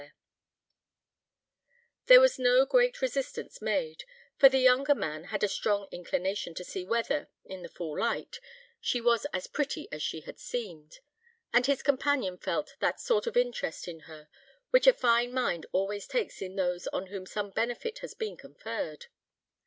There was no great resistance made, for the younger man had a strong inclination to see whether, in the full light, she was as pretty as she had seemed; and his companion felt that sort of interest in her which a fine mind always takes in those on whom some benefit has been conferred.